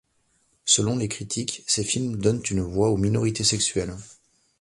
Selon les critiques, ses films donnent une voix aux minorités sexuelles.